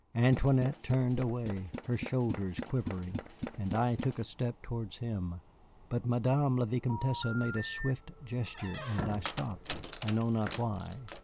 Antoinette turned away, her shoulders quivering, and I took a step towards him; but Madame la Vicomtesse made a swift gesture, and I stopped, I know not why.